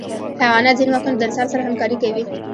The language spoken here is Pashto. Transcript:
حیوانات ځینې وختونه د انسان سره همکاري کوي.